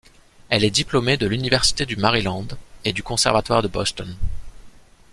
Elle est diplômée de l'Université du Maryland et du Conservatoire de Boston.